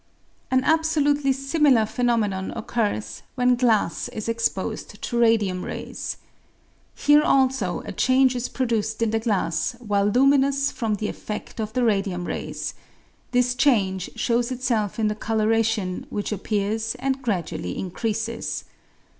An absolutely similar phenomenon occurs when glass is exposed to radium rays. Here also, a change is produced in the glass while luminous from the eftect of the radium rays ; this change shows itself in the colouration which appears and gradually increases.